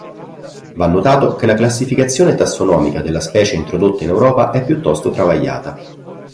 Va notato che la classificazione tassonomica della specie introdotta in Europa è piuttosto travagliata.